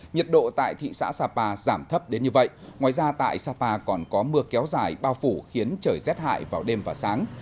nhiệt độ tại thị xã sapa giảm thấp đến như vậy ngoài ra tại sapa còn có mưa kéo dài bao phủ khiến trời rét hại vào đêm và sáng